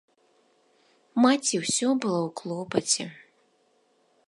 Маці ўсё была ў клопаце.